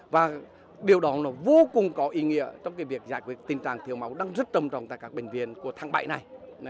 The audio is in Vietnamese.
và điều đó nó vô cùng có ý nghĩa trong cái việc giải quyết tình trạng thiếu máu đang rất trầm trọng tại các bệnh viện của tháng bảy này